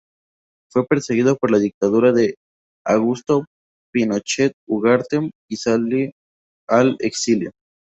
Fue perseguido por la dictadura de Augusto Pinochet Ugarte y sale al exilio.